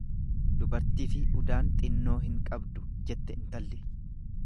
Dubartifi udaan xinnoo hin qabdu, jette intalli.